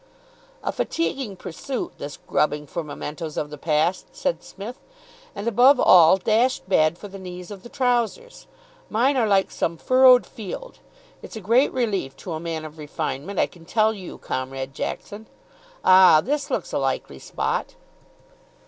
"A fatiguing pursuit, this grubbing for mementoes of the past," said Psmith. "And, above all, dashed bad for the knees of the trousers. Mine are like some furrowed field. It's a great grief to a man of refinement, I can tell you, Comrade Jackson. Ah, this looks a likely spot."